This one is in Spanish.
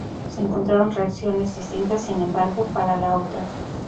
Se encontraron reacciones distintas, sin embargo, para la otra.